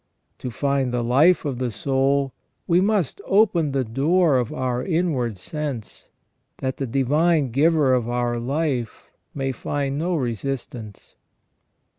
To find the life of the soul, we must open the door of our inward sense, that the Divine Giver of our life may find no resistance.